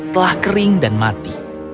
telah kering dan mati